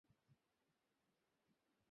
একদিন তাঁরা নতুন বাড়ির সন্ধানে যান।